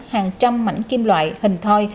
hàng trăm mảnh kim loại hình thoi